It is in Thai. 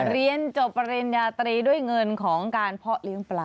เรียนจบพลันนุนยาตรีด้วยเงินของการเพาะลิ้มปลา